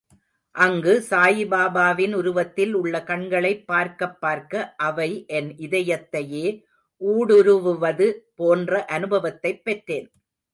அங்கு சாயிபாபாவின் உருவத்தில் உள்ள கண்களை பார்க்கப்பார்க்க அவை என் இதயத்தையே ஊடுருவுவது போன்ற அனுபவத்தைப் பெற்றேன்.